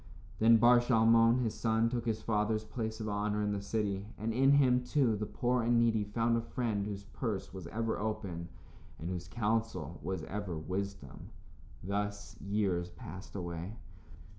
Then Bar Shalmon, his son, took his father's place of honor in the city, and in him, too, the poor and needy found a friend whose purse was ever open and whose counsel was ever wisdom. Thus years passed away.